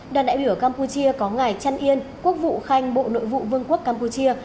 đoàn đại biểu campuchia có ngài trăn yên quốc vụ khanh bộ nội vụ vương quốc campuchia